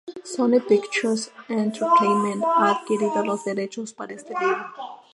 Sony Pictures Entertainment ha adquirido los derechos para este libro.